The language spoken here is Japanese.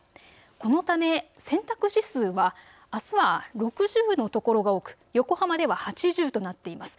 このためため洗濯指数はあすは６０の所が多く横浜では８０となっています。